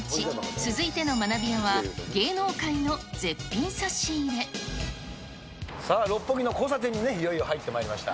続いての学びやは、さあ、六本木に交差点にいよいよ入ってきました。